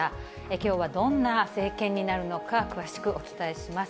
きょうはどんな政権になるのか、詳しくお伝えします。